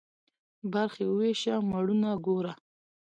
برخي ويشه ، مړونه گوره.